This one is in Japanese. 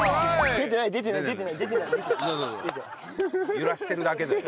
揺らしてるだけだよ。